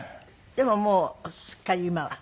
でももうすっかり今は？